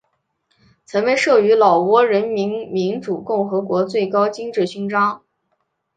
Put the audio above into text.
曾被授予老挝人民民主共和国最高金质勋章。